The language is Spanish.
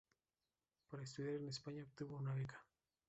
Para estudiar en España obtuvo una beca.